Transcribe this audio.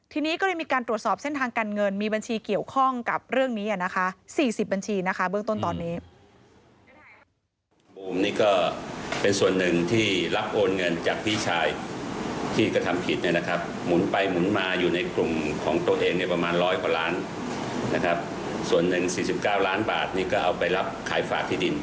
ทีนี้ก็เลยมีการตรวจสอบเส้นทางการเงินมีบัญชีเกี่ยวข้องกับเรื่องนี้อะนะคะ